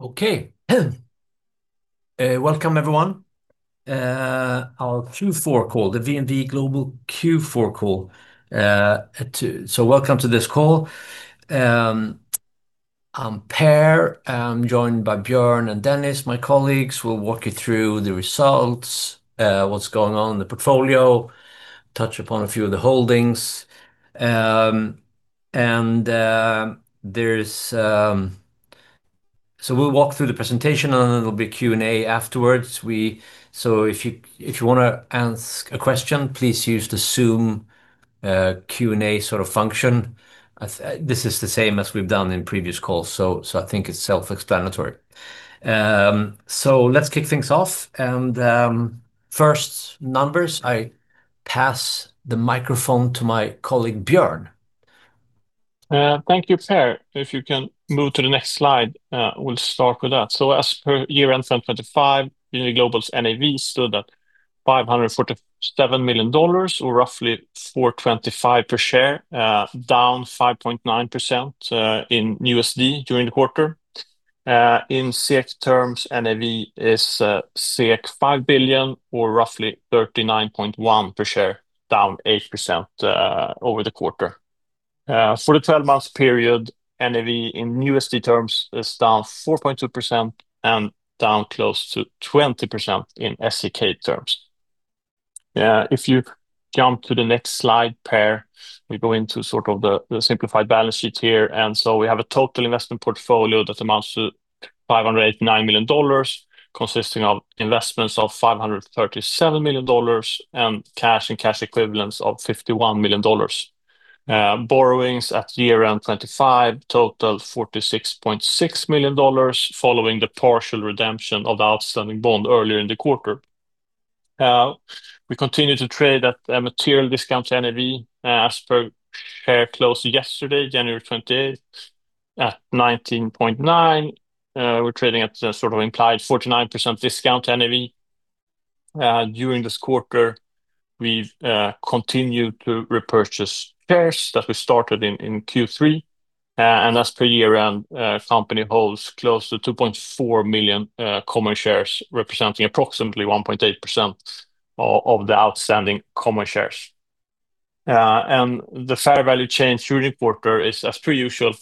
Okay. Welcome, everyone. Our Q4 call, the VNV Global Q4 call, so welcome to this call. I'm Per. I'm joined by Björn and Dennis, my colleagues. We'll walk you through the results, what's going on in the portfolio, touch upon a few of the holdings. So we'll walk through the presentation, and then there'll be Q&A afterwards. So if you wanna ask a question, please use the Zoom Q&A sort of function. This is the same as we've done in previous calls, so I think it's self-explanatory. So let's kick things off, and first, numbers. I pass the microphone to my colleague, Björn. Thank you, Per. If you can move to the next slide, we'll start with that. So as per year-end 2025, VNV Global's NAV stood at $547 million, or roughly $4.25 per share, down 5.9% in USD during the quarter. In SEK terms, NAV is 5 billion, or roughly 39.1 per share, down 8% over the quarter. For the 12-month period, NAV in USD terms is down 4.2% and down close to 20% in SEK terms. If you jump to the next slide, Per, we go into sort of the, the simplified balance sheet here. We have a total investment portfolio that amounts to $589 million, consisting of investments of $537 million, and cash and cash equivalents of $51 million. Borrowings at year-end 2025 total $46.6 million, following the partial redemption of the outstanding bond earlier in the quarter. We continue to trade at a material discount to NAV, as per share close yesterday, January 28, at $19.9. We're trading at sort of implied 49% discount to NAV. During this quarter, we've continued to repurchase shares that we started in Q3. And as per year-end, the company holds close to 2.4 million common shares, representing approximately 1.8% of the outstanding common shares. And the fair value change during the quarter is, as per usual,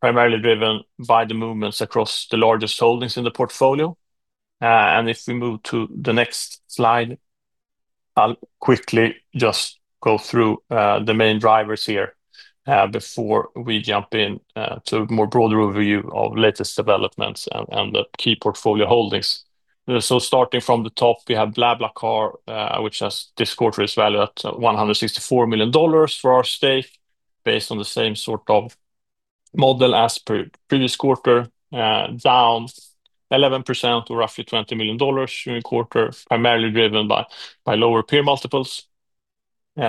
primarily driven by the movements across the largest holdings in the portfolio. And if we move to the next slide, I'll quickly just go through the main drivers here before we jump in to a more broader overview of latest developments and the key portfolio holdings. So starting from the top, we have BlaBlaCar, which, this quarter, is valued at $164 million for our stake, based on the same sort of model as per previous quarter, down 11% to roughly $20 million during the quarter, primarily driven by lower peer multiples.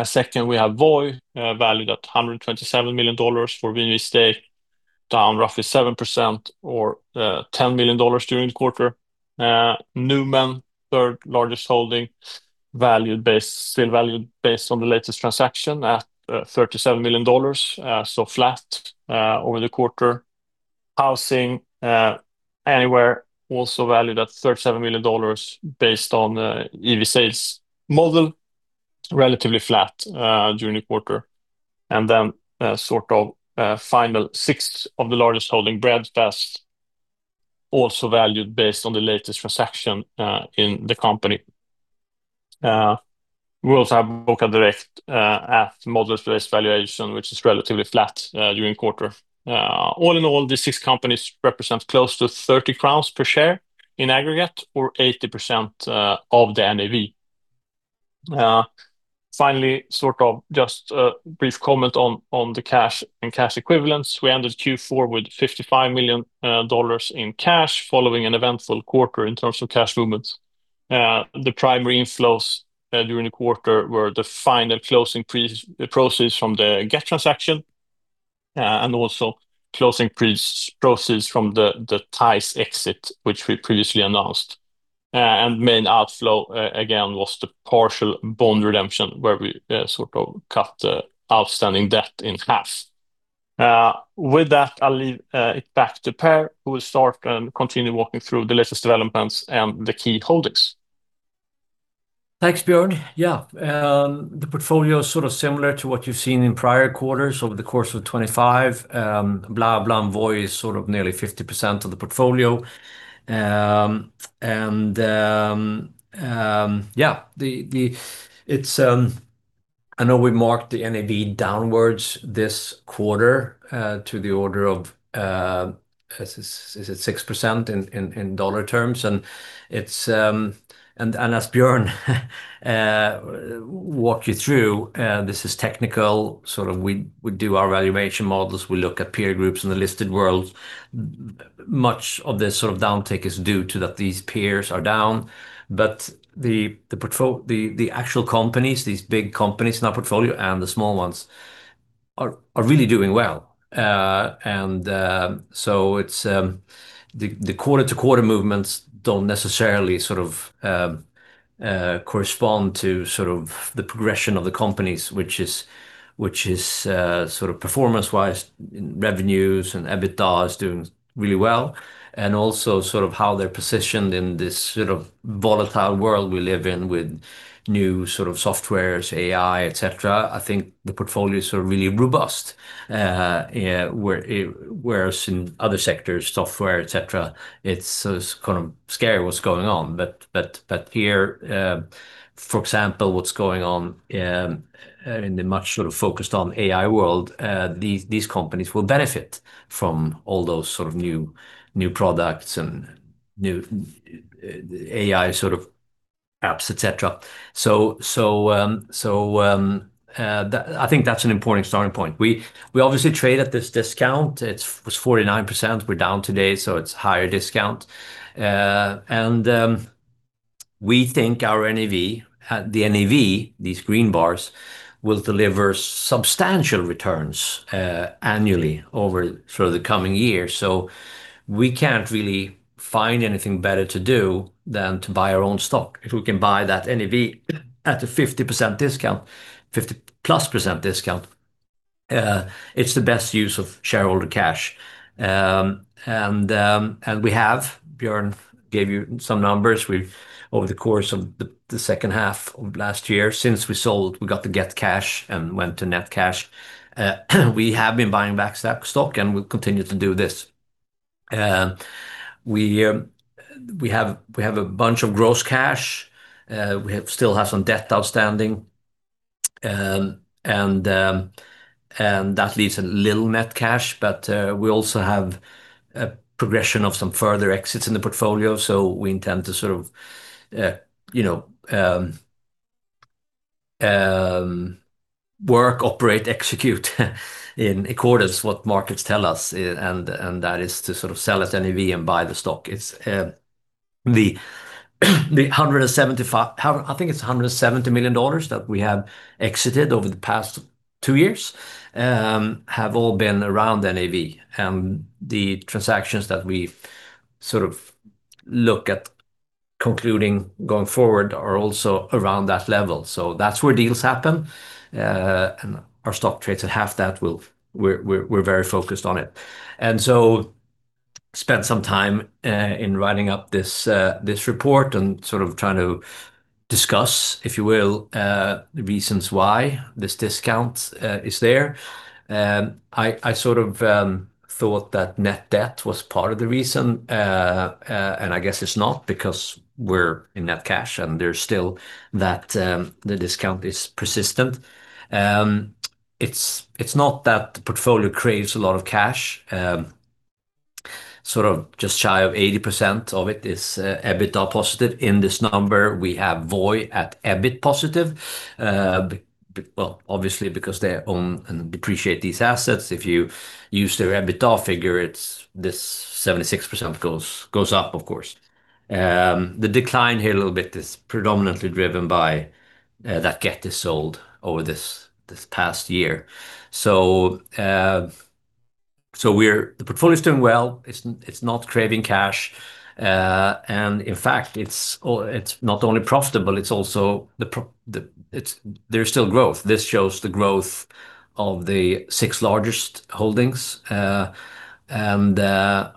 Second, we have Voi, valued at $127 million for VNV stake, down roughly 7% or $10 million during the quarter. Numan, third-largest holding, still valued based on the latest transaction at $37 million, so flat over the quarter. HousingAnywhere also valued at $37 million based on the EV/Sales model, relatively flat during the quarter. And then, sort of, the final sixth of the largest holding, Breadfast, also valued based on the latest transaction in the company. We also have Bokadirekt at model-based valuation, which is relatively flat during quarter. All in all, these six companies represent close to 30 crowns per share in aggregate, or 80% of the NAV. Finally, sort of just a brief comment on the cash and cash equivalents. We ended Q4 with $55 million in cash, following an eventful quarter in terms of cash movements. The primary inflows during the quarter were the final closing proceeds from the Gett transaction, and also closing proceeds from the Tise exit, which we previously announced. And main outflow, again, was the partial bond redemption, where we sort of cut the outstanding debt in half. With that, I'll leave it back to Per, who will start and continue walking through the latest developments and the key holdings. Thanks, Björn. Yeah, the portfolio is sort of similar to what you've seen in prior quarters over the course of 25. BlaBla and Voi is sort of nearly 50% of the portfolio. And, yeah, the, the—it's, I know we marked the NAV downwards this quarter, to the order of, is it 6% in dollar terms? And it's... And, and as Björn walk you through, this is technical, sort of we do our valuation models, we look at peer groups in the listed world. Much of this sort of downtick is due to that these peers are down. But the, the portfo- the, the actual companies, these big companies in our portfolio and the small ones, are really doing well. So it's the quarter-to-quarter movements don't necessarily sort of correspond to sort of the progression of the companies, which is sort of performance-wise, revenues, and EBITDA is doing really well. And also sort of how they're positioned in this sort of volatile world we live in with new sort of softwares, AI, et cetera. I think the portfolio is sort of really robust. Whereas in other sectors, software, et cetera, it's sort of scary what's going on. But here, for example, what's going on in the much sort of focused on AI world, these companies will benefit from all those sort of new products and new AI sort of apps, et cetera. So I think that's an important starting point. We obviously trade at this discount. It was 49%. We're down today, so it's higher discount. And we think our NAV, the NAV, these green bars, will deliver substantial returns annually over sort of the coming years. So we can't really find anything better to do than to buy our own stock. If we can buy that NAV at a 50% discount, 50%+ discount, it's the best use of shareholder cash. And we have, Björn gave you some numbers. We've over the course of the second half of last year, since we sold, we got to get cash and went to net cash. We have been buying back stock and we'll continue to do this. We have a bunch of gross cash. We still have some debt outstanding, and that leaves a little net cash, but we also have a progression of some further exits in the portfolio, so we intend to sort of, you know, work, operate, execute in accordance what markets tell us, and that is to sort of sell at NAV and buy the stock. It's a hundred and seventy million dollars that we have exited over the past two years have all been around NAV. And the transactions that we sort of look at concluding going forward are also around that level. So that's where deals happen, and our stock trades at half that, we're very focused on it. Spent some time in writing up this report and sort of trying to discuss, if you will, the reasons why this discount is there. I sort of thought that net debt was part of the reason, and I guess it's not, because we're in net cash, and there's still that, the discount is persistent. It's not that the portfolio creates a lot of cash. Sort of just shy of 80% of it is EBITDA positive. In this number, we have Voi at EBIT positive. Well, obviously, because they own and depreciate these assets. If you use their EBITDA figure, it's this 76% goes up, of course. The decline here a little bit is predominantly driven by that Gett sold over this past year. So, the portfolio is doing well. It's not craving cash, and in fact, it's not only profitable, there's still growth. This shows the growth of the six largest holdings. And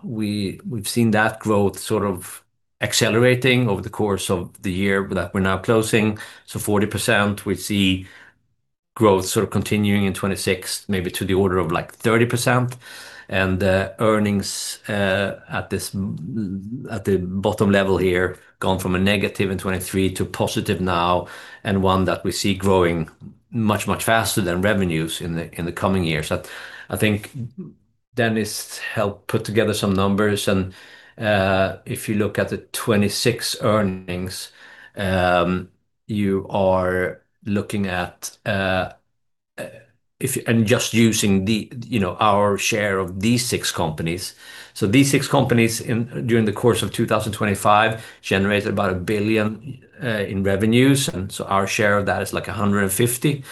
we've seen that growth sort of accelerating over the course of the year that we're now closing. So 40%, we see growth sort of continuing in 2026, maybe to the order of, like, 30%. And earnings at the bottom level here, gone from a negative in 2023 to positive now, and one that we see growing much faster than revenues in the coming years. I think Dennis helped put together some numbers, and if you look at the 2026 earnings, you are looking at, if... Just using the, you know, our share of these six companies. So these six companies in, during the course of 2025, generated about $1 billion in revenues, and so our share of that is, like, $150 million.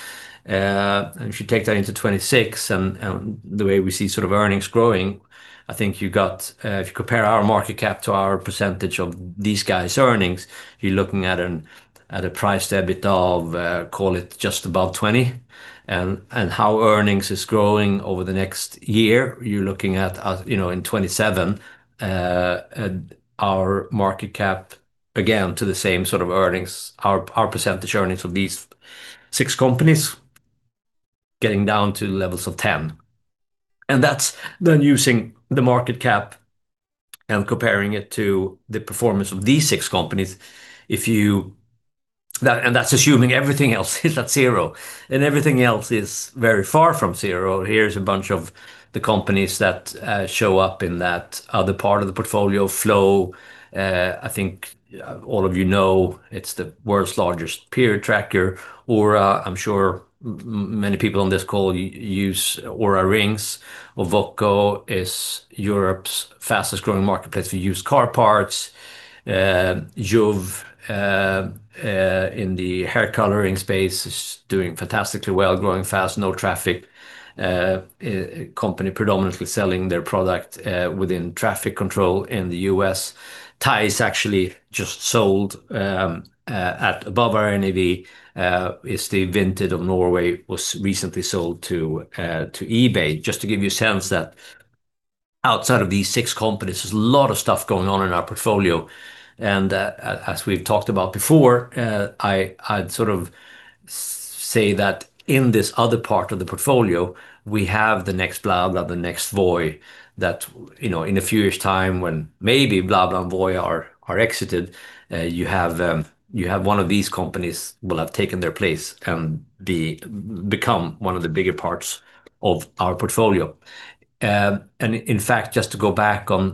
And if you take that into 2026, and, and the way we see sort of earnings growing, I think you got if you compare our market cap to our percentage of these guys' earnings, you're looking at at a price to EBITDA of, call it just above 20x. And, and how earnings is growing over the next year, you're looking at, at, you know, in 2027, at our market cap, again, to the same sort of earnings, our, our percentage earnings of these six companies, getting down to levels of 10x. That's then using the market cap and comparing it to the performance of these six companies. Now, that's assuming everything else is at zero, and everything else is very far from zero. Here's a bunch of the companies that show up in that other part of the portfolio. Flo, I think all of you know, it's the world's largest period tracker. Oura, I'm sure many people on this call use Oura Rings. Ovoko is Europe's fastest growing marketplace for used car parts. Yuv, in the hair coloring space, is doing fantastically well, growing fast. NoTraffic, a company predominantly selling their product within traffic control in the U.S. Tise actually just sold at above our NAV, is the Vinted of Norway, was recently sold to eBay. Just to give you a sense that outside of these six companies, there's a lot of stuff going on in our portfolio. As we've talked about before, I'd sort of say that in this other part of the portfolio, we have the next BlaBlaCar, the next Voi, that you know, in a few years' time, when maybe BlaBlaCar and Voi are exited, you have one of these companies will have taken their place and become one of the bigger parts of our portfolio. And in fact, just to go back on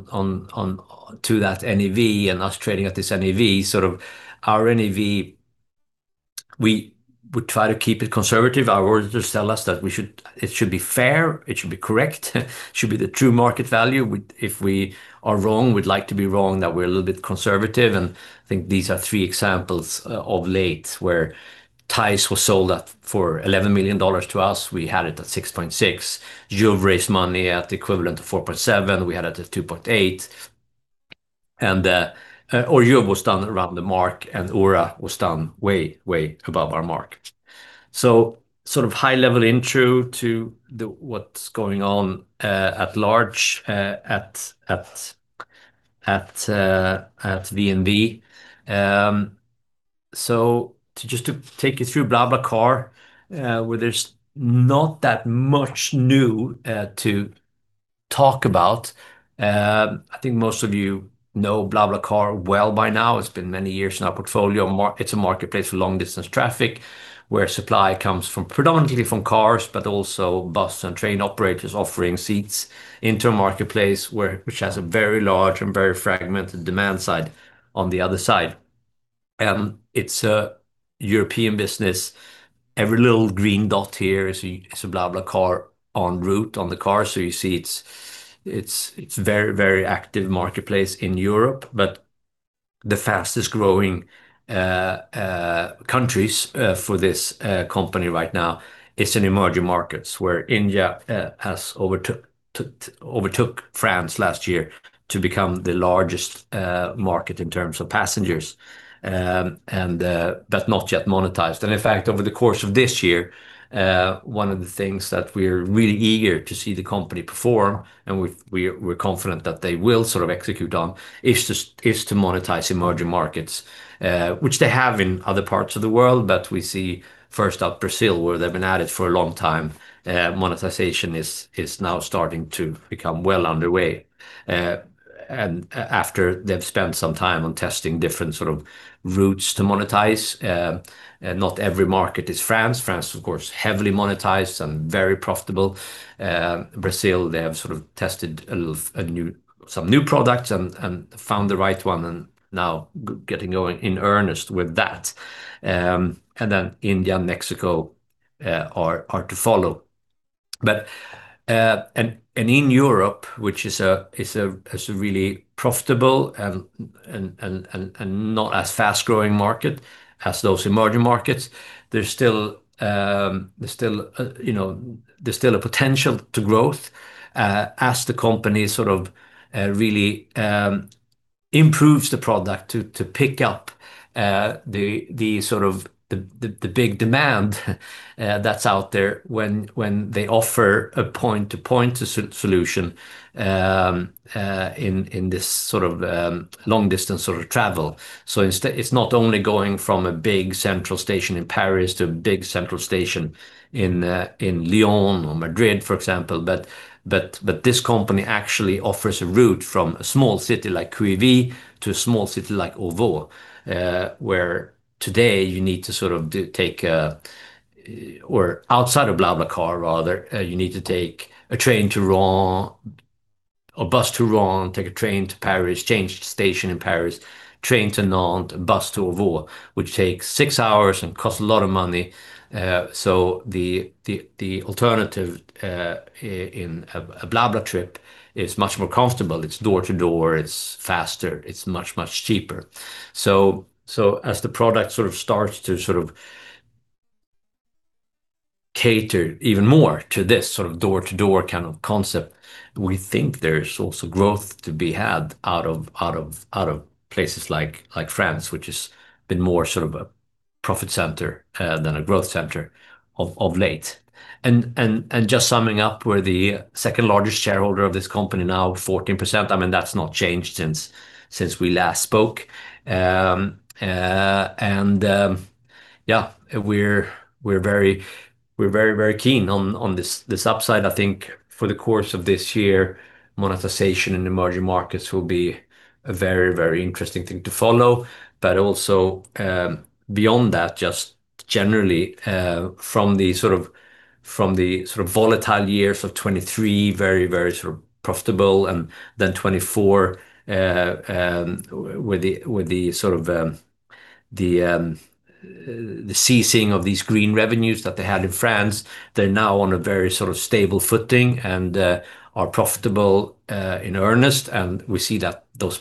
to that NAV and us trading at this NAV, sort of our NAV, we would try to keep it conservative. Our auditors tell us that we should. It should be fair, it should be correct, it should be the true market value. Well, if we are wrong, we'd like to be wrong, that we're a little bit conservative. I think these are three examples of late, where Tise was sold for $11 million to eBay. We had it at 6.6. Yuv raised money at the equivalent of 4.7; we had it at 2.8. Or Yuv was done around the mark, and Oura was done way, way above our mark. So sort of high-level intro to what's going on at large at VNV. So to take you through BlaBlaCar, where there's not that much new to talk about. I think most of you know BlaBlaCar well by now. It's been many years in our portfolio. It's a marketplace for long-distance traffic, where supply comes from predominantly from cars, but also bus and train operators offering seats into a marketplace, where, which has a very large and very fragmented demand side on the other side. It's a European business. Every little green dot here is a BlaBlaCar en route on the car seats. So you see it's very, very active marketplace in Europe. But the fastest growing countries for this company right now is in emerging markets, where India has overtook overtook France last year to become the largest market in terms of passengers, but not yet monetized. In fact, over the course of this year, one of the things that we're really eager to see the company perform, and we're confident that they will sort of execute on, is to monetize emerging markets, which they have in other parts of the world. We see, first up, Brazil, where they've been at it for a long time, monetization is now starting to become well underway. After they've spent some time on testing different sort of routes to monetize, and not every market is France. France, of course, heavily monetized and very profitable. Brazil, they have sort of tested some new products and found the right one, and now getting going in earnest with that. And then India and Mexico are to follow. But in Europe, which is a really profitable and not as fast-growing market as those emerging markets, there's still, you know, a potential to growth as the company sort of really improves the product to pick up the sort of big demand that's out there when they offer a point-to-point solution in this sort of long-distance sort of travel. So instead, it's not only going from a big central station in Paris to a big central station in Lyon or Madrid, for example, but this company actually offers a route from a small city like Couilly to a small city like Auvers, where today you need to sort of take, or outside of BlaBlaCar rather, you need to take a train to Rouen or bus to Rouen, take a train to Paris, change station in Paris, train to Nantes, a bus to Auvers, which takes six hours and costs a lot of money. So the alternative in a BlaBlaCar trip is much more comfortable. It's door to door, it's faster, it's much, much cheaper. So as the product sort of starts to sort of cater even more to this sort of door-to-door kind of concept, we think there's also growth to be had out of places like France, which has been more sort of a profit center than a growth center of late. And just summing up, we're the second largest shareholder of this company now, 14%. I mean, that's not changed since we last spoke. And yeah, we're very, very keen on this upside. I think for the course of this year, monetization in emerging markets will be a very, very interesting thing to follow. But also, beyond that, just generally, from the sort of volatile years of 2023, very, very sort of profitable, and then 2024, with the sort of the ceasing of these green revenues that they had in France, they're now on a very sort of stable footing and are profitable in earnest. And we see that those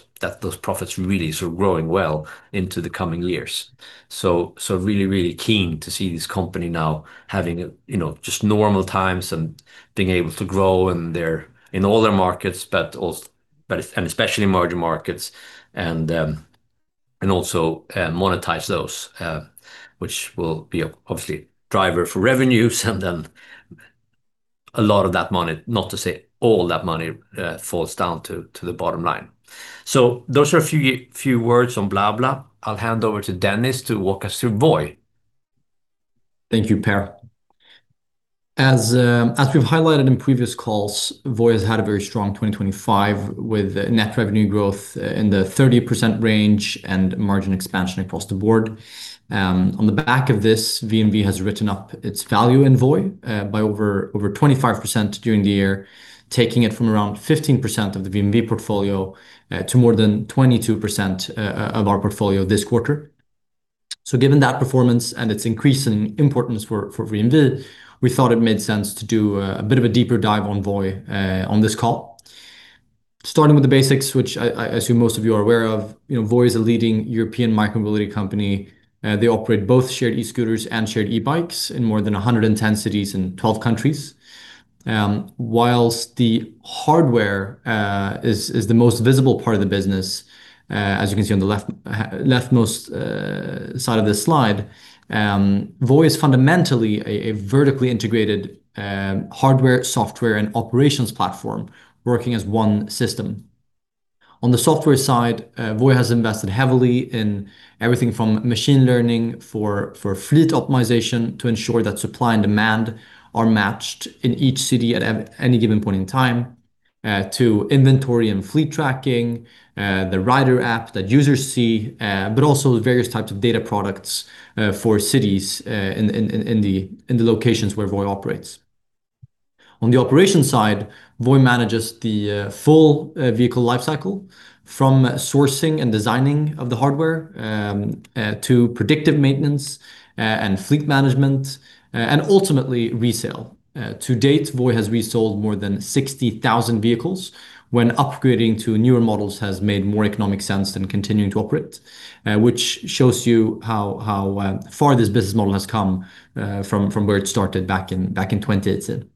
profits really sort of growing well into the coming years. So really, really keen to see this company now having, you know, just normal times and being able to grow, and they're in all their markets, but also but... And especially emerging markets and... And also monetize those, which will be obviously driver for revenues, and then a lot of that money, not to say all that money, falls down to the bottom line. So those are a few words on BlaBla. I'll hand over to Dennis to walk us through Voi. Thank you, Per. As we've highlighted in previous calls, Voi has had a very strong 2025, with net revenue growth in the 30% range and margin expansion across the board. On the back of this, VNV has written up its value in Voi by over 25% during the year, taking it from around 15% of the VNV portfolio to more than 22% of our portfolio this quarter. So given that performance and its increasing importance for VNV, we thought it made sense to do a bit of a deeper dive on Voi on this call. Starting with the basics, which I assume most of you are aware of, you know, Voi is a leading European micromobility company. They operate both shared e-scooters and shared e-bikes in more than 110 cities in 12 countries. While the hardware is the most visible part of the business, as you can see on the leftmost side of this slide, Voi is fundamentally a vertically integrated hardware, software, and operations platform working as one system. On the software side, Voi has invested heavily in everything from machine learning for fleet optimization to ensure that supply and demand are matched in each city at any given point in time, to inventory and fleet tracking, the rider app that users see, but also various types of data products for cities in the locations where Voi operates. On the operations side, Voi manages the full vehicle lifecycle, from sourcing and designing of the hardware, to predictive maintenance, and fleet management, and ultimately resale. To date, Voi has resold more than 60,000 vehicles when upgrading to newer models has made more economic sense than continuing to operate, which shows you how far this business model has come from where it started back in 2018.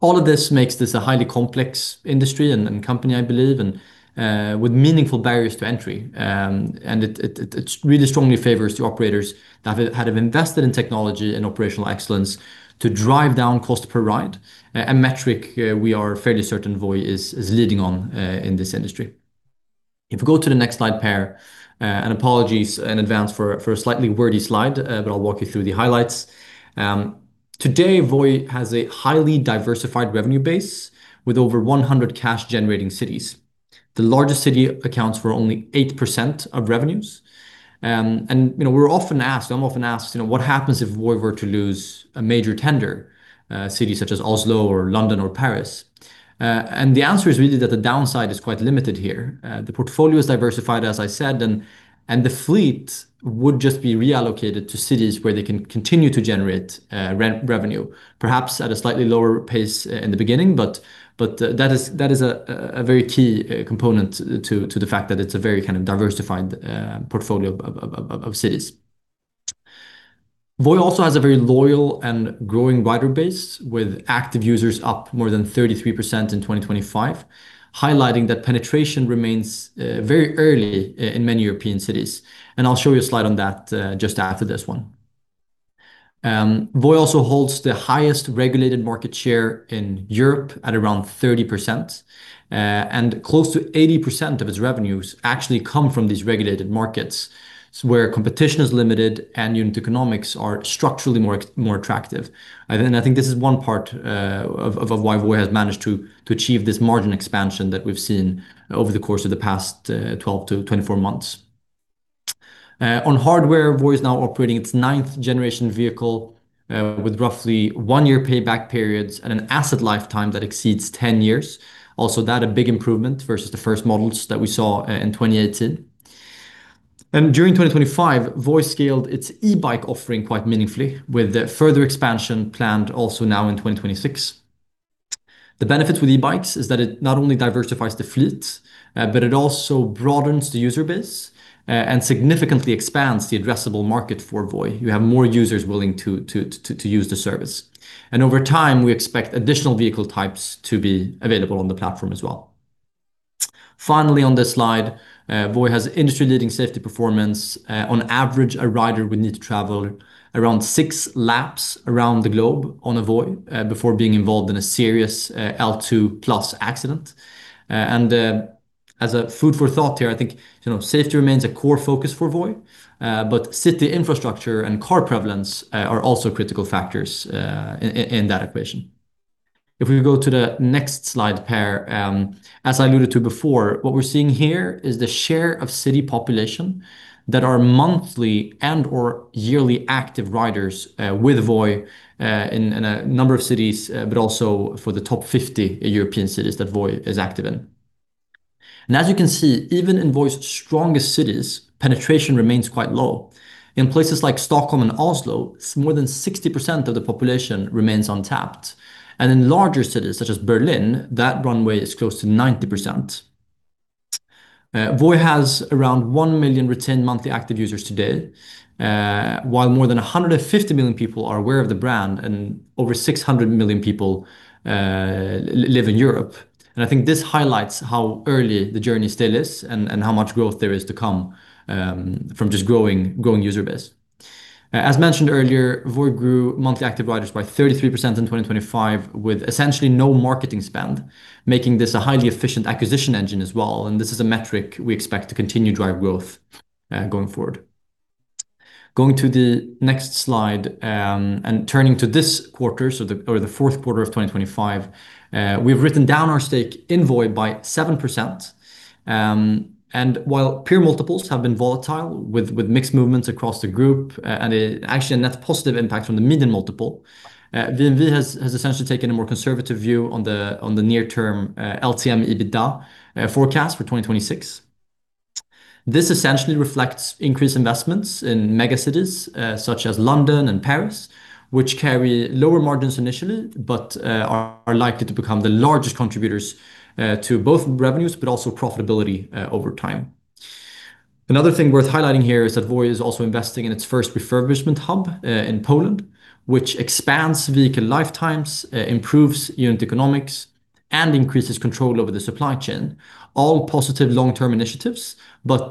All of this makes this a highly complex industry and company, I believe, and with meaningful barriers to entry. And it really strongly favors the operators that have invested in technology and operational excellence to drive down cost per ride, a metric we are fairly certain Voi is leading on in this industry. If you go to the next slide, Per, and apologies in advance for a slightly wordy slide, but I'll walk you through the highlights. Today, Voi has a highly diversified revenue base with over 100 cash-generating cities. The largest city accounts for only 8% of revenues. And, you know, we're often asked, I'm often asked, "You know, what happens if Voi were to lose a major tender, a city such as Oslo or London or Paris?" And the answer is really that the downside is quite limited here. The portfolio is diversified, as I said, and the fleet would just be reallocated to cities where they can continue to generate revenue, perhaps at a slightly lower pace in the beginning. That is a very key component to the fact that it's a very kind of diversified portfolio of cities. Voi also has a very loyal and growing rider base, with active users up more than 33% in 2025, highlighting that penetration remains very early in many European cities, and I'll show you a slide on that just after this one. Voi also holds the highest regulated market share in Europe at around 30%, and close to 80% of its revenues actually come from these regulated markets, where competition is limited and unit economics are structurally more attractive. And I think this is one part, of why Voi has managed to achieve this margin expansion that we've seen over the course of the past, 12-24 months. On hardware, Voi is now operating its ninth-generation vehicle, with roughly 1-year payback periods and an asset lifetime that exceeds 10 years. Also, that's a big improvement versus the first models that we saw in 2018. And during 2025, Voi scaled its e-bike offering quite meaningfully, with a further expansion planned also now in 2026. The benefit with e-bikes is that it not only diversifies the fleet, but it also broadens the user base, and significantly expands the addressable market for Voi. You have more users willing to use the service, and over time, we expect additional vehicle types to be available on the platform as well. Finally, on this slide, Voi has industry-leading safety performance. On average, a rider would need to travel around six laps around the globe on a Voi before being involved in a serious L2+ accident. And as food for thought here, I think, you know, safety remains a core focus for Voi, but city infrastructure and car prevalence are also critical factors in that equation. If we go to the next slide, Per, as I alluded to before, what we're seeing here is the share of city population that are monthly and/or yearly active riders with Voi in a number of cities, but also for the top 50 European cities that Voi is active in. As you can see, even in Voi's strongest cities, penetration remains quite low. In places like Stockholm and Oslo, more than 60% of the population remains untapped, and in larger cities, such as Berlin, that runway is close to 90%. Voi has around 1 million retained monthly active users today, while more than 150 million people are aware of the brand, and over 600 million people live in Europe. And I think this highlights how early the journey still is and how much growth there is to come from just growing growing user base. As mentioned earlier, Voi grew monthly active riders by 33% in 2025, with essentially no marketing spend, making this a highly efficient acquisition engine as well, and this is a metric we expect to continue to drive growth going forward. Going to the next slide and turning to this quarter, so the or the fourth quarter of 2025, we've written down our stake in Voi by 7%. And while peer multiples have been volatile, with mixed movements across the group and actually a net positive impact from the median multiple, VNV has essentially taken a more conservative view on the near-term LTM EBITDA forecast for 2026. This essentially reflects increased investments in megacities, such as London and Paris, which carry lower margins initially, but, are likely to become the largest contributors, to both revenues but also profitability, over time. Another thing worth highlighting here is that Voi is also investing in its first refurbishment hub, in Poland, which expands vehicle lifetimes, improves unit economics, and increases control over the supply chain. All positive long-term initiatives, but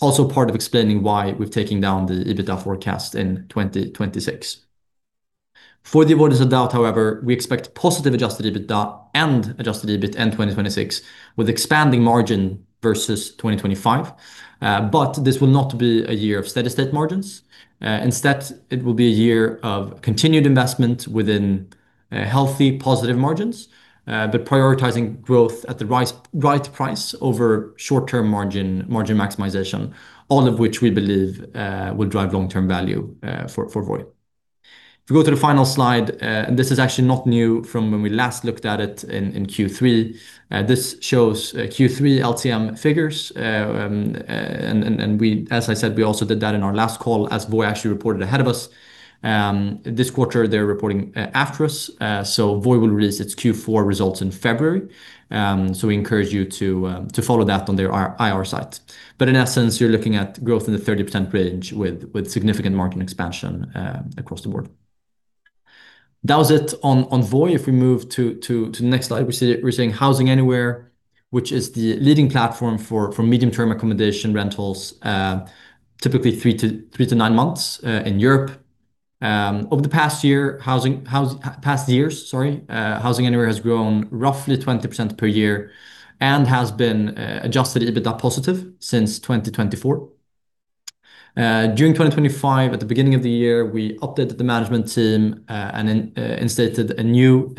also part of explaining why we've taken down the EBITDA forecast in 2026. For the avoidance of doubt, however, we expect positive adjusted EBITDA and adjusted EBIT in 2026, with expanding margin versus 2025. But this will not be a year of steady state margins. Instead, it will be a year of continued investment within healthy, positive margins, but prioritizing growth at the right price over short-term margin, margin maximization, all of which we believe will drive long-term value for Voi. If we go to the final slide, and this is actually not new from when we last looked at it in Q3. This shows Q3 LTM figures. As I said, we also did that in our last call, as Voi actually reported ahead of us. This quarter, they're reporting after us. So we encourage you to follow that on their IR site. But in essence, you're looking at growth in the 30% range with significant margin expansion across the board. That was it on Voi. If we move to the next slide, we're seeing HousingAnywhere, which is the leading platform for medium-term accommodation rentals, typically 3-9 months, in Europe. Over the past years, sorry, HousingAnywhere has grown roughly 20% per year and has been adjusted EBITDA positive since 2024. During 2025, at the beginning of the year, we updated the management team and then instated a new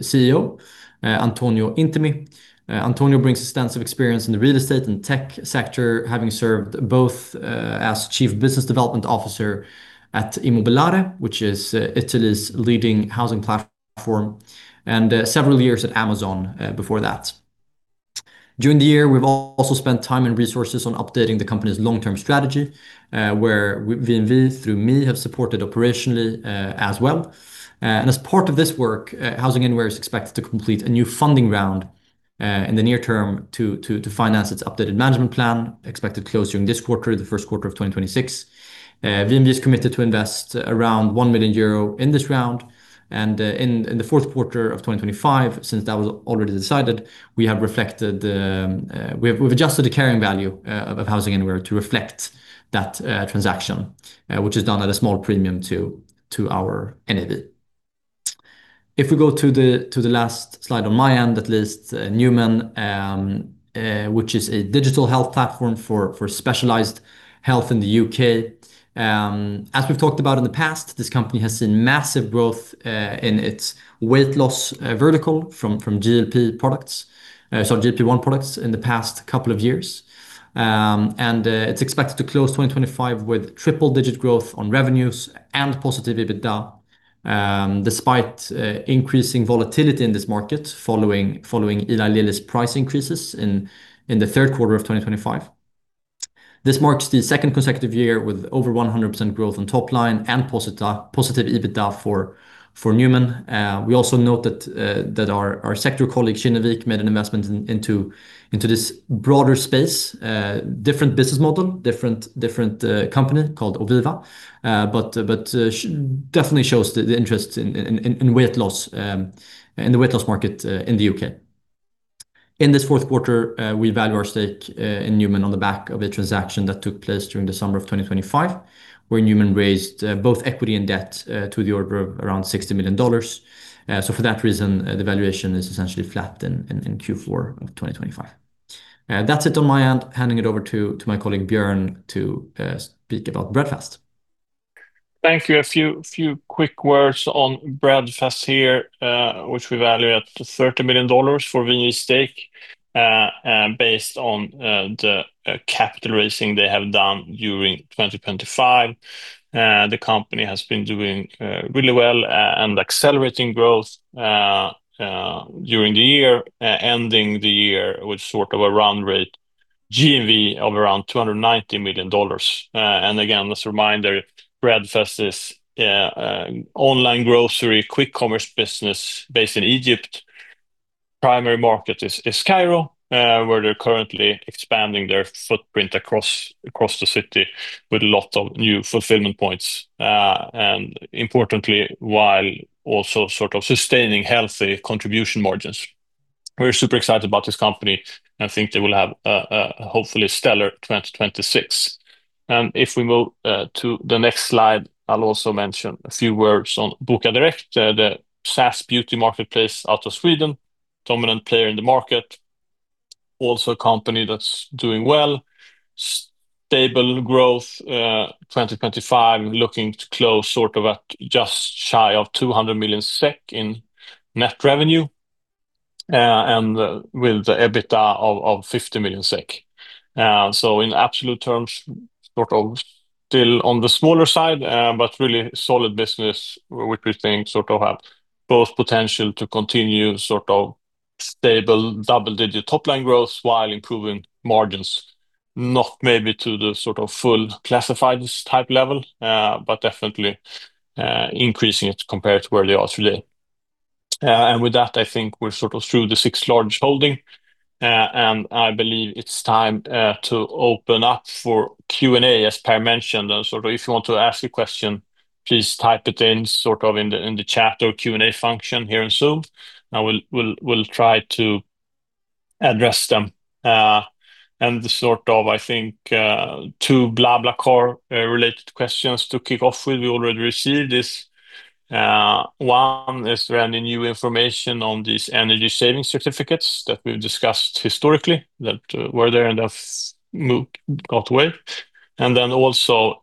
CEO, Antonio Intini. Antonio brings extensive experience in the real estate and tech sector, having served both as chief business development officer at Immobiliare.it, which is Italy's leading housing platform, and several years at Amazon before that. During the year, we've also spent time and resources on updating the company's long-term strategy, where VNV, through me, have supported operationally as well. And as part of this work, HousingAnywhere is expected to complete a new funding round in the near term to finance its updated management plan, expected to close during this quarter, the first quarter of 2026. VNV is committed to invest around 1 million euro in this round. And in the fourth quarter of 2025, since that was already decided, we have reflected. We have, we've adjusted the carrying value of HousingAnywhere to reflect that transaction, which is done at a small premium to our NAV. If we go to the last slide on my end, that lists Numan, which is a digital health platform for specialized health in the U.K. As we've talked about in the past, this company has seen massive growth in its weight loss vertical from GLP products, so GLP-1 products in the past couple of years. And it's expected to close 2025 with triple-digit growth on revenues and positive EBITDA, despite increasing volatility in this market, following Eli Lilly's price increases in the third quarter of 2025. This marks the second consecutive year with over 100% growth on top line and positive EBITDA for Numan. We also note that our sector colleague, Kinnevik, made an investment into this broader space, different business model, different company called Oviva. But definitely shows the interest in weight loss in the weight loss market in the U.K. In this fourth quarter, we value our stake in Numan on the back of a transaction that took place during the summer of 2025, where Numan raised both equity and debt to the order of around $60 million. So for that reason, the valuation is essentially flat in Q4 of 2025. That's it on my end. Handing it over to my colleague, Björn, to speak about Breadfast. Thank you. A few quick words on Breadfast here, which we value at $30 million for VNV's stake, based on the capital raising they have done during 2025. The company has been doing really well, and accelerating growth during the year, ending the year with sort of a run rate GMV of around $290 million. And again, just a reminder, Breadfast is an online grocery, quick commerce business based in Egypt. Primary market is Cairo, where they're currently expanding their footprint across the city with a lot of new fulfillment points, and importantly, while also sort of sustaining healthy contribution margins. We're super excited about this company, and think they will have a hopefully stellar 2026. If we move to the next slide, I'll also mention a few words on Bokadirekt, the SaaS beauty marketplace out of Sweden, dominant player in the market. Also, a company that's doing well. Stable growth, 2025, looking to close sort of at just shy of 200 million SEK in net revenue, and with the EBITDA of 50 million SEK. So in absolute terms, sort of still on the smaller side, but really solid business, which we think sort of have both potential to continue sort of stable, double-digit top-line growth while improving margins. Not maybe to the sort of full classifieds type level, but definitely increasing it compared to where they are today. And with that, I think we're sort of through the six large holding. I believe it's time to open up for Q&A, as Per mentioned. Sort of if you want to ask a question, please type it in sort of in the chat or Q&A function here in Zoom, and we'll try to address them. The sort of, I think, two BlaBlaCar related questions to kick off with. We already received this. One, is there any new information on these energy saving certificates that we've discussed historically, that were there and have got away? And then also,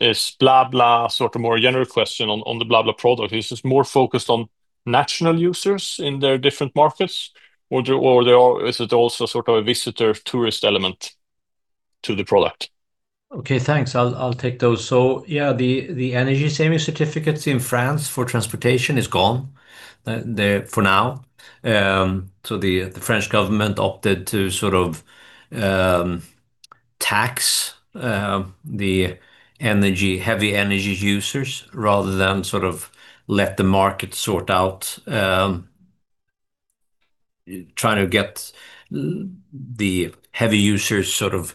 is BlaBla sort of more general question on the BlaBla product. Is this more focused on national users in their different markets, or is it also sort of a visitor tourist element to the product? Okay, thanks. I'll take those. So yeah, the energy saving certificates in France for transportation is gone there for now. So the French government opted to sort of tax the energy-heavy users, rather than sort of let the market sort out trying to get the heavy users sort of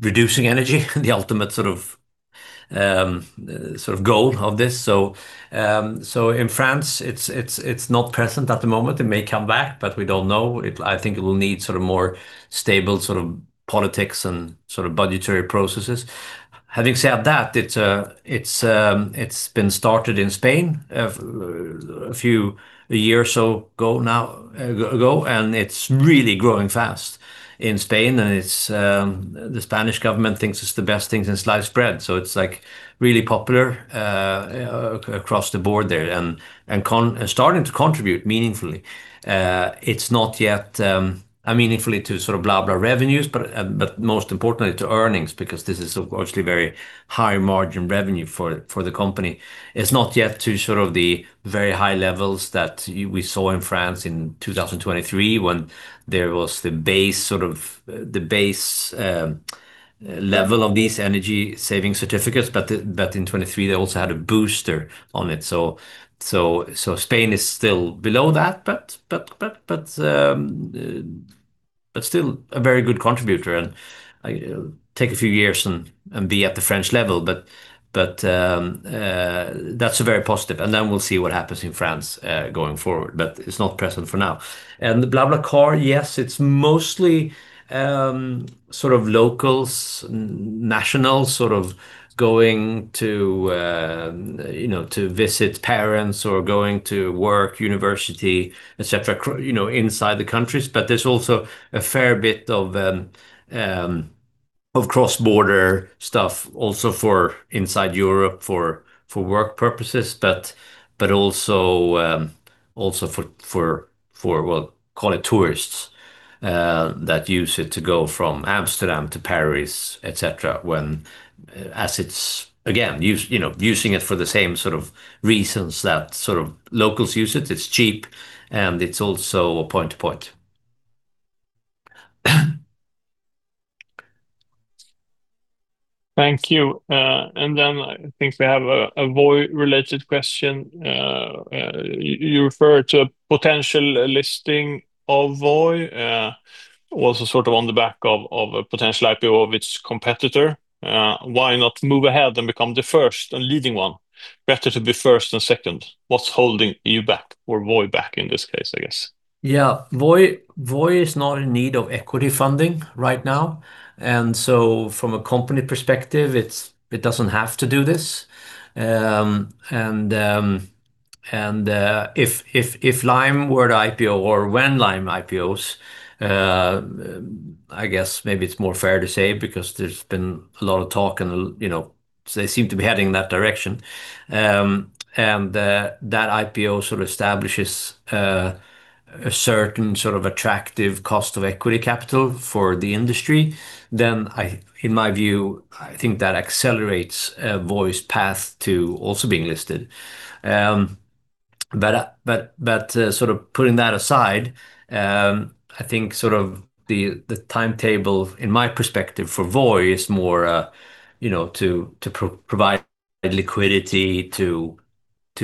reducing energy, the ultimate sort of goal of this. So in France, it's not present at the moment. It may come back, but we don't know. I think it will need sort of more stable sort of politics and sort of budgetary processes. Having said that, it's been started in Spain a few years or so ago, and it's really growing fast in Spain, and it's... The Spanish government thinks it's the best thing since sliced bread, so it's, like, really popular across the board there, and starting to contribute meaningfully. It's not yet meaningfully to sort of BlaBlaCar revenues, but most importantly, to earnings, because this is obviously a very high margin revenue for the company. It's not yet to sort of the very high levels that we saw in France in 2023, when there was the base level of these energy saving certificates, but in 2023, they also had a booster on it. So Spain is still below that, but still a very good contributor, and take a few years and be at the French level. But that's very positive. And then we'll see what happens in France, going forward, but it's not present for now. And the BlaBlaCar, yes, it's mostly, sort of locals, nationals, sort of going to, you know, to visit parents or going to work, university, et cetera, you know, inside the countries. But there's also a fair bit of of cross-border stuff also for inside Europe for work purposes, but also for well, call it tourists, that use it to go from Amsterdam to Paris, et cetera, when, as it's, again, you know, using it for the same sort of reasons that sort of locals use it. It's cheap, and it's also point to point. Thank you. And then I think we have a Voi-related question. You referred to a potential listing of Voi, also sort of on the back of a potential IPO of its competitor. Why not move ahead and become the first and leading one? Better to be first than second. What's holding you back or Voi back in this case, I guess? Yeah. Voi, Voi is not in need of equity funding right now, and so from a company perspective, it's, it doesn't have to do this. And if, if Lime were to IPO or when Lime IPOs, I guess maybe it's more fair to say, because there's been a lot of talk and, you know, they seem to be heading in that direction. And that IPO sort of establishes a certain sort of attractive cost of equity capital for the industry, then I, in my view, I think that accelerates Voi's path to also being listed. But sort of putting that aside, I think sort of the timetable in my perspective for Voi is more, you know, to provide liquidity to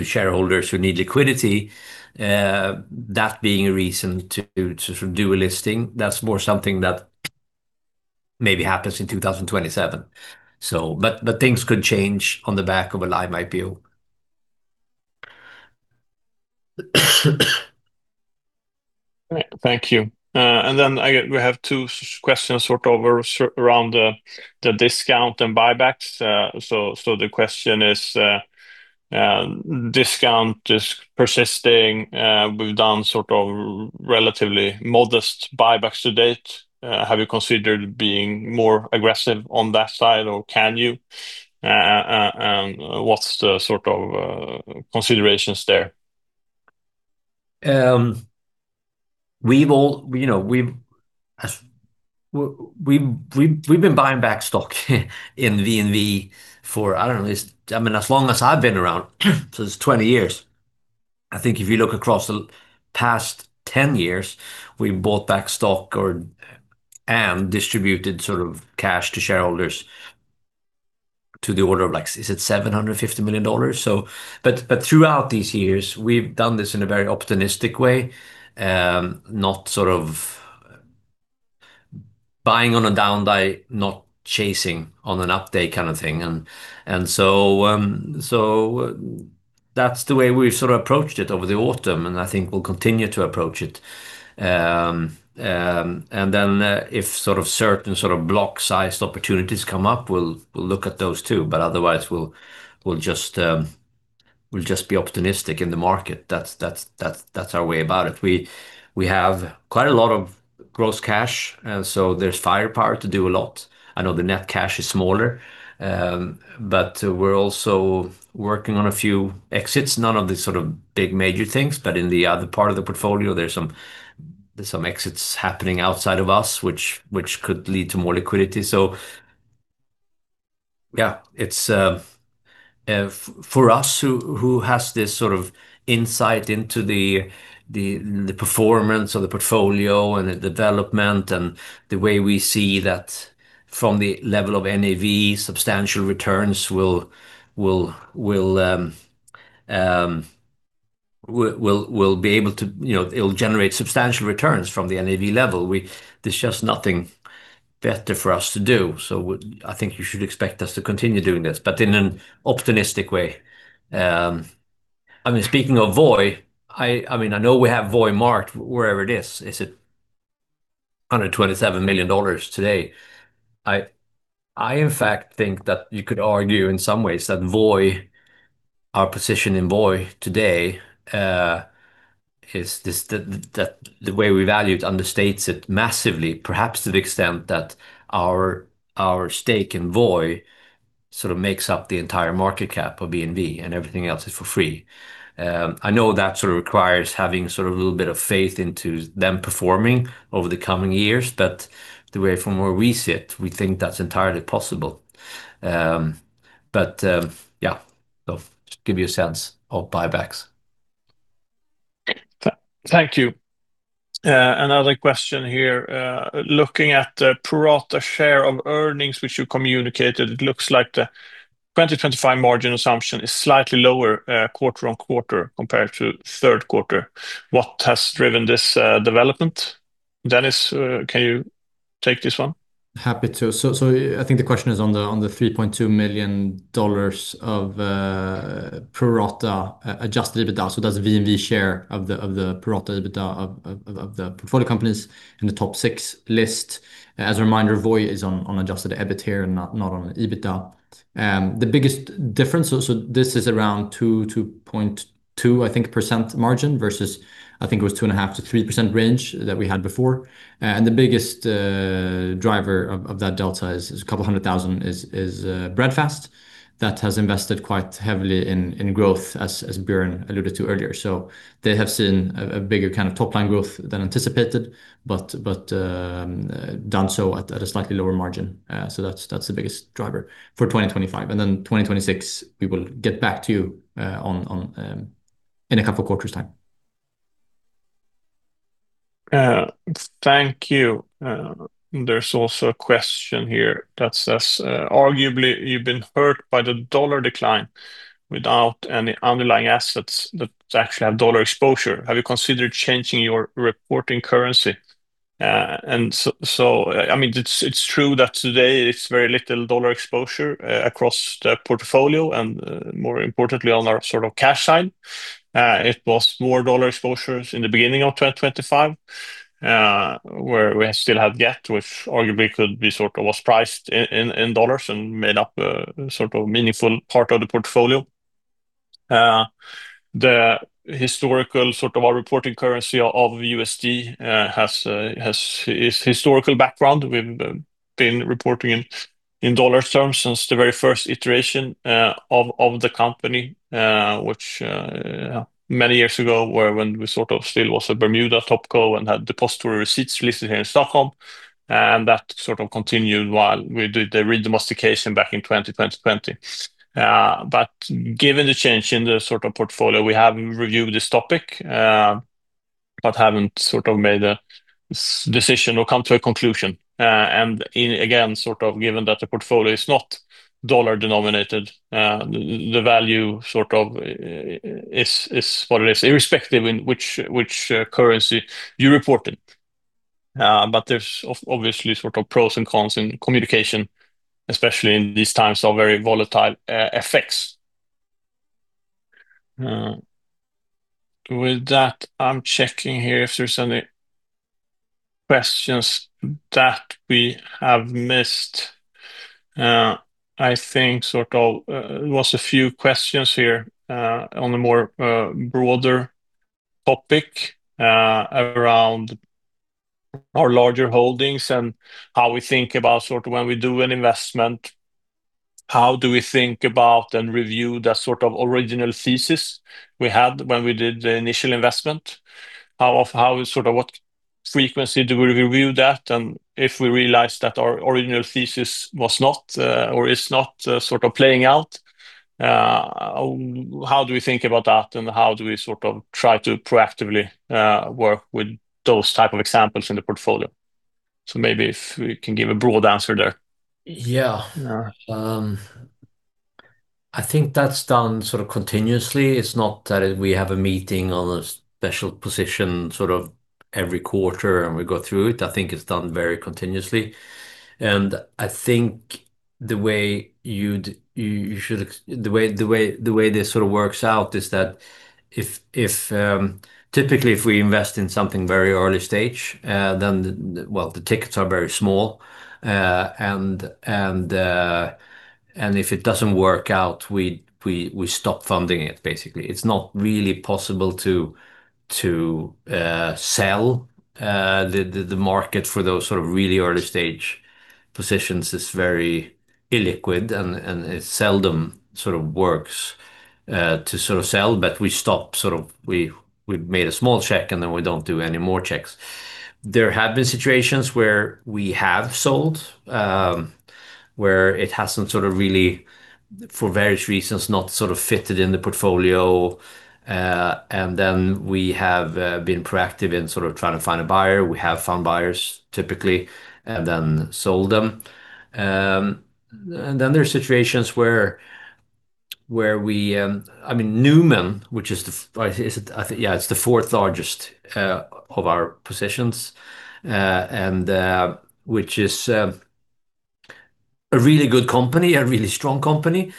shareholders who need liquidity. That being a reason to do a listing, that's more something that maybe happens in 2027. But things could change on the back of a live IPO. Thank you. And then we have two questions sort of around the discount and buybacks. So the question is, discount is persisting. We've done sort of relatively modest buybacks to date. Have you considered being more aggressive on that side, or can you? What's the sort of considerations there? We've all, you know, we've been buying back stock in VNV for, I don't know, at least, I mean, as long as I've been around, so it's 20 years. I think if you look across the past 10 years, we bought back stock and distributed sort of cash to shareholders to the order of, like, is it $750 million? But throughout these years, we've done this in a very opportunistic way, not sort of buying on a down day, not chasing on an up day kind of thing. And so that's the way we've sort of approached it over the autumn, and I think we'll continue to approach it. And then, if sort of certain sort of block-sized opportunities come up, we'll look at those too. But otherwise, we'll just be opportunistic in the market. That's our way about it. We have quite a lot of gross cash, so there's firepower to do a lot. I know the net cash is smaller, but we're also working on a few exits. None of the sort of big, major things, but in the other part of the portfolio, there's some exits happening outside of us, which could lead to more liquidity. So yeah, it's for us, who has this sort of insight into the performance of the portfolio and the development, and the way we see that from the level of NAV, substantial returns will be able to. You know, it'll generate substantial returns from the NAV level. There's just nothing better for us to do, so I think you should expect us to continue doing this, but in an opportunistic way. I mean, speaking of Voi, I mean, I know we have Voi marked wherever it is. Is it $127 million today? I in fact think that you could argue in some ways that Voi, our position in Voi today, that the way we value it understates it massively, perhaps to the extent that our stake in Voi sort of makes up the entire market cap of VNV, and everything else is for free. I know that sort of requires having sort of a little bit of faith into them performing over the coming years, but the way from where we sit, we think that's entirely possible. But, yeah, so just give you a sense of buybacks. Thank you. Another question here. Looking at the pro rata share of earnings, which you communicated, it looks like the 2025 margin assumption is slightly lower, quarter-on-quarter, compared to third quarter. What has driven this development? Dennis, can you take this one? Happy to. I think the question is on the $3.2 million of pro rata adjusted EBITDA. That's VNV share of the pro rata EBITDA of the portfolio companies in the top six list. As a reminder, Voi is on adjusted EBIT here, and not on EBITDA. The biggest difference, this is around 2.2%, I think, margin, versus I think it was 2.5%-3% range that we had before. And the biggest driver of that delta is a couple hundred thousand, Breadfast. That has invested quite heavily in growth, as Björn alluded to earlier. So they have seen a bigger kind of top-line growth than anticipated, but done so at a slightly lower margin. So that's the biggest driver for 2025, and then 2026, we will get back to you on in a couple of quarters' time. Thank you. There's also a question here that says: "Arguably, you've been hurt by the dollar decline without any underlying assets that actually have dollar exposure. Have you considered changing your reporting currency?" And so, I mean, it's true that today it's very little dollar exposure across the portfolio and, more importantly, on our sort of cash side. It was more dollar exposures in the beginning of 2025, where we still had Gett, which arguably could be sort of was priced in dollars and made up a sort of meaningful part of the portfolio. The historical sort of our reporting currency of USD has historical background. We've been reporting in dollar terms since the very first iteration of the company, which many years ago, when we sort of still was a Bermuda Topco and had depository receipts listed here in Stockholm, and that sort of continued while we did the redomestication back in 2020. But given the change in the sort of portfolio, we have reviewed this topic, but haven't sort of made a decision or come to a conclusion. And again, sort of given that the portfolio is not dollar-denominated, the value sort of is what it is, irrespective in which currency you report it. But there's obviously sort of pros and cons in communication, especially in these times of very volatile effects. With that, I'm checking here if there's any questions that we have missed. I think sort of there was a few questions here on a more broader topic around our larger holdings and how we think about sort of when we do an investment, how do we think about and review the sort of original thesis we had when we did the initial investment? How sort of what frequency do we review that, and if we realize that our original thesis was not or is not sort of playing out, how do we think about that, and how do we sort of try to proactively work with those type of examples in the portfolio? So maybe if we can give a broad answer there. Yeah. I think that's done sort of continuously. It's not that we have a meeting on a special position, sort of every quarter, and we go through it. I think it's done very continuously. And I think the way this sort of works out is that if, typically, if we invest in something very early stage, then, well, the tickets are very small. And if it doesn't work out, we stop funding it, basically. It's not really possible to sell. The market for those sort of really early stage positions is very illiquid, and it seldom sort of works to sort of sell, but we stop, we've made a small check, and then we don't do any more checks. There have been situations where we have sold, where it hasn't sort of really, for various reasons, not sort of fitted in the portfolio. And then we have been proactive in sort of trying to find a buyer. We have found buyers, typically, and then sold them. And then there are situations where we... I mean, Numan, which is the—I think, is it?—I think, yeah, it's the fourth largest of our positions, and which is a really good company, a really strong company,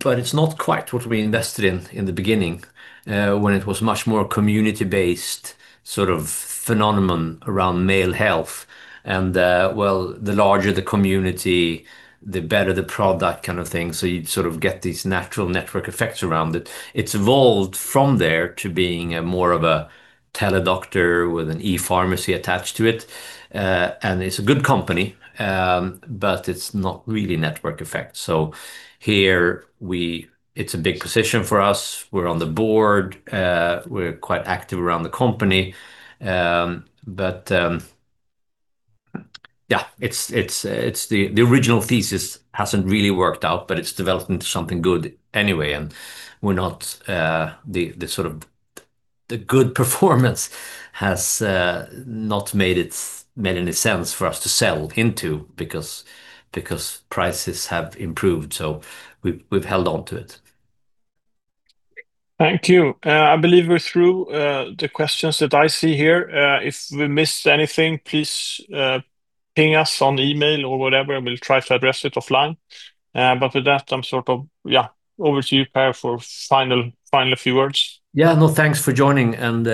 but it's not quite what we invested in in the beginning, when it was much more community-based sort of phenomenon around male health. And, well, the larger the community, the better the product kind of thing, so you sort of get these natural network effects around it. It's evolved from there to being more of a tele-doctor with an e-pharmacy attached to it. And it's a good company, but it's not really network effect. So here—it's a big position for us. We're on the board, we're quite active around the company. But yeah, it's the original thesis hasn't really worked out, but it's developed into something good anyway, and we're not. The sort of good performance has not made any sense for us to sell into because prices have improved, so we've held on to it. Thank you. I believe we're through the questions that I see here. If we missed anything, please ping us on email or whatever, and we'll try to address it offline. But with that, I'm sort of, yeah, over to you, Per, for final, final few words. Yeah. No, thanks for joining, and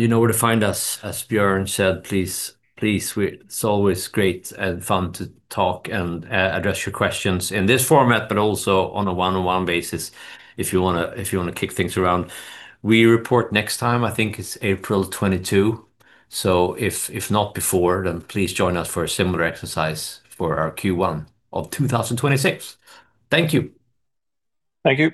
you know where to find us. As Björn said, please, it's always great and fun to talk and address your questions in this format, but also on a one-on-one basis if you wanna, if you wanna kick things around. We report next time, I think it's April 22, so if not before, then please join us for a similar exercise for our Q1 of 2026. Thank you. Thank you.